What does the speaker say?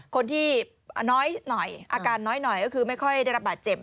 คนที่น้อยหน่อยอาการน้อยหน่อยก็คือไม่ค่อยได้รับบาดเจ็บ